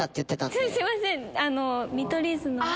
すいません！